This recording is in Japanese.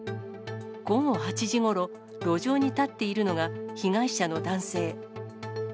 午後８時ごろ、路上に立っているのが、被害者の男性。